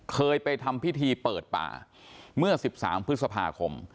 เคยไปทำพิธีเปิดป่าเมื่อ๑๓พฤษภาคม